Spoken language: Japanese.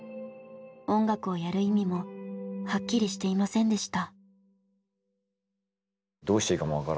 音楽をやる意味もはっきりしていませんでした。